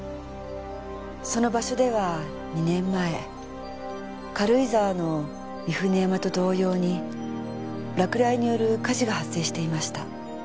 その場所では２年前軽井沢の三舟山と同様に落雷による火事が発生していました。